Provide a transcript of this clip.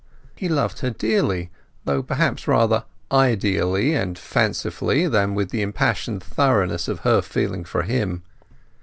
He loved her dearly, though perhaps rather ideally and fancifully than with the impassioned thoroughness of her feeling for him.